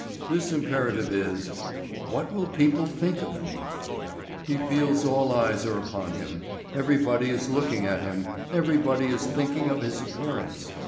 This imperative is: "What will people think of me?" He feels all eyes are upon him, everybody is looking at him, everybody is thinking of his appearance.